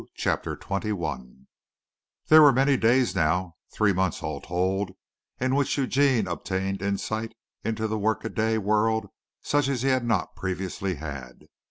CHAPTER XXI There were many days now, three months all told, in which Eugene obtained insight into the workaday world such as he had not previously had.